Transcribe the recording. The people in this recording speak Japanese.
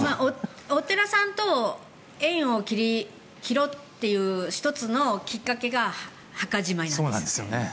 お寺さんと縁を切ろうという１つのきっかけが墓じまいなんです。